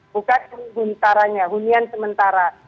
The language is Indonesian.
bukan buntaranya hunian sementara